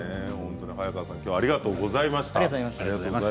早川さんありがとうございました。